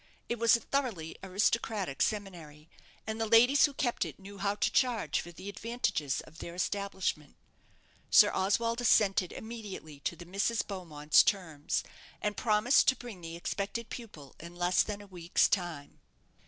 It was a thoroughly aristocratic seminary, and the ladies who kept it knew how to charge for the advantages of their establishment. Sir Oswald assented immediately to the Misses Beaumonts' terms, and promised to bring the expected pupil in less than a week's time.